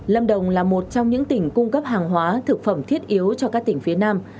lâm đồng là một trong những tỉnh cung cấp hàng hóa thực phẩm thiết yếu cho các tỉnh phía nam